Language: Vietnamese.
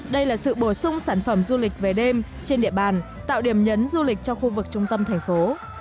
đây là sự bổ sung sản phẩm du lịch về đêm trên địa bàn tạo điểm nhấn du lịch cho khu vực trung tâm thành phố